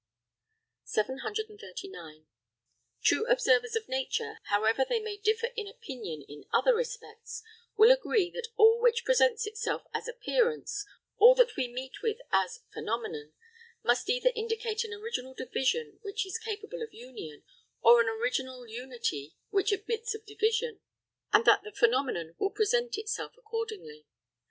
739. True observers of nature, however they may differ in opinion in other respects, will agree that all which presents itself as appearance, all that we meet with as phenomenon, must either indicate an original division which is capable of union, or an original unity which admits of division, and that the phenomenon will present itself accordingly.